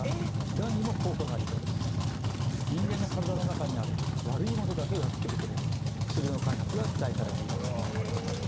人間の体の中にある悪いものだけをやっつけてくれる薬の開発が期待されています。